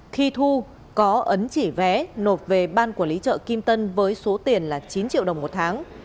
khi thu có ấn chỉ vé nộp về ban quản lý chợ kim tân với số tiền là chín triệu đồng một tháng